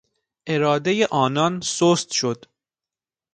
ارادهی آنان سست شد.